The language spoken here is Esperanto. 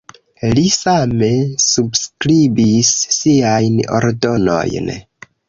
Li same subskribis siajn ordonojn.